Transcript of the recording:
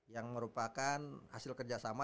yang merupakan hasil kerjasama